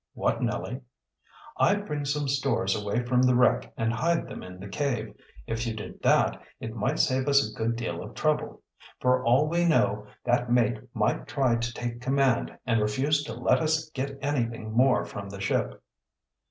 "What, Nellie?" "I'd bring some stores away from the wreck and hide them in the cave. If you did that, it might save us a good deal of trouble. For all we know, that mate might try to take command and refuse to let us get anything more from the ship."